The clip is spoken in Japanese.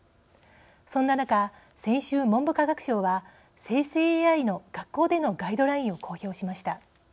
そんな中先週文部科学省は生成ＡＩの学校でのガイドラインを公表しました。